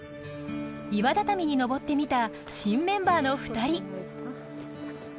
岩畳に上ってみた新メンバーの２人。